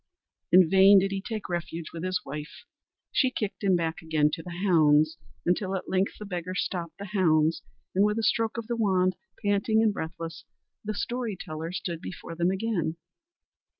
In vain did he take refuge with his wife, she kicked him back again to the hounds, until at length the beggar stopped the hounds, and with a stroke of the wand, panting and breathless, the story teller stood before them again.